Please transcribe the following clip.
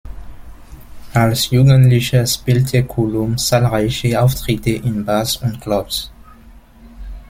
Als Jugendlicher spielte Cullum zahlreiche Auftritte in Bars und Clubs.